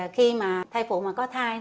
khi mà thai phụ mà có thai